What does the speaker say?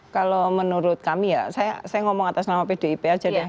kalau menurut kami ya saya ngomong atas nama pdip aja deh